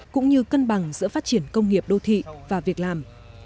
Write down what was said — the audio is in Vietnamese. cũng như cân bằng giữa phát triển công nghiệp đô thị và việc làm